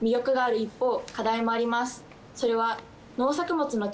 それは。